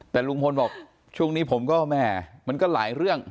แต่ลุงพลบอกช่วงนี้ผมก็แม่มันก็หลายเรื่อง